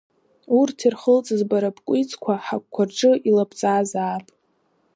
Урҭ ирхылҵыз бара бкәицқәа, ҳагәқәа рҿы илабҵазаап.